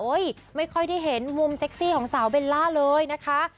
ไม่ค่อยได้เห็นมุมเซ็กซี่ของสาวเบลล่าเลยนะคะ